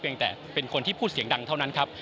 ยังแต่เป็นคนที่พูดเสียงดังเท่านั้นครับ